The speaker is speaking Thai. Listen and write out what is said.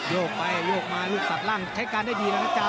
โยกไปโยกมาลูกตัดล่างใช้การได้ดีแล้วนะจ๊ะ